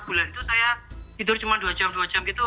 empat bulan itu saya tidur cuma dua jam dua jam gitu